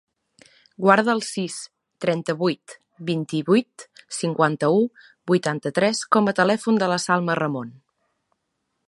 Guarda el sis, trenta-vuit, vint-i-vuit, cinquanta-u, vuitanta-tres com a telèfon de la Salma Ramon.